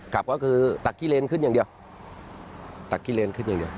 กลับก็คือตักขี้เลนขึ้นอย่างเดียวตักขี้เลนขึ้นอย่างเดียว